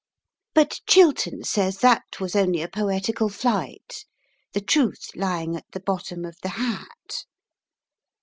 But Chiltern says that was only a poetical flight, the truth lying at the bottom of the hat.